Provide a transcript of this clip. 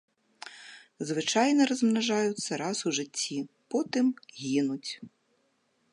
Звычайна размнажаюцца раз у жыцці, потым гінуць.